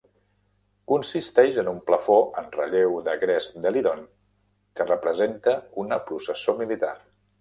Consisteix en un plafó en relleu de gres d'Helidon que representa una processó militar.